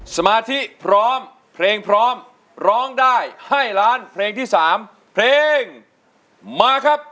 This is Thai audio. สมาธิพร้อมเพลงพร้อมร้องได้ให้ล้านเพลงที่๓เพลงมาครับ